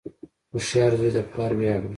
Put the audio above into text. • هوښیار زوی د پلار ویاړ وي.